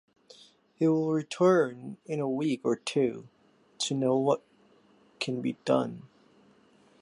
He will return in a week or two, to know what can be done.